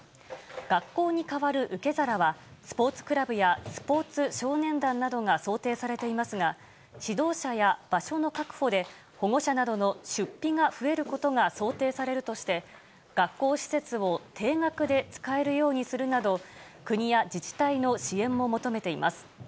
学校に代わる受け皿は、スポーツクラブやスポーツ少年団などが想定されていますが、指導者や場所の確保で保護者などの出費が増えることが想定されるとして、学校施設を低額で使えるようにするなど、国や自治体の支援も求めています。